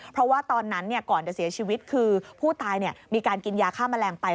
เพราะว่าตอนนั้นก่อนจะเสียชีวิตคือผู้ตายมีการกินยาฆ่าแมลงไป